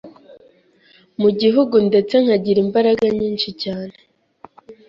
mu gihugu ndetse nkagira imbaraga nyinshi cyane